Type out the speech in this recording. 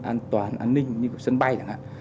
an toàn an ninh như sân bay